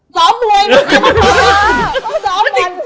ซ้อมด้วย